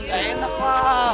enggak enak wah